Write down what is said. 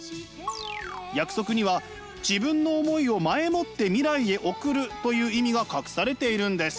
約束には自分の思いを前もって未来へ送るという意味が隠されているんです。